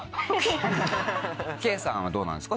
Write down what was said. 圭さんはどうなんですか？